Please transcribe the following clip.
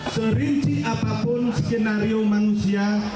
serinci apapun skenario manusia